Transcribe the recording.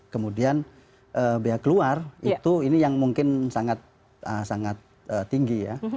kemudian bea keluar itu yang mungkin sangat penting